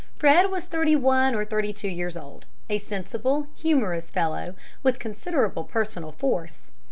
Fred was thirty one or thirty two years old, a sensible, humorous fellow, with considerable personal force.